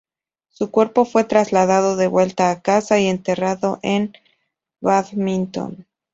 Su cuerpo fue trasladado de vuelta a casa, y enterrado en Badminton.